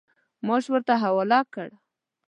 معاش ورته حواله کړ.